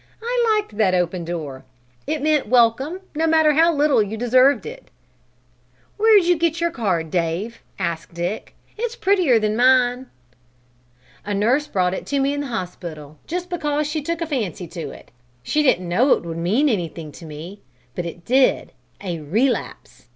I liked that open door. It meant welcome, no matter how little you'd deserved it." "Where'd you get your card, Dave?" asked Dick. "It's prettier than mine." "A nurse brought it to me in the hospital just because she took a fancy to it. She didn't know it would mean anything to me, but it did a relapse!"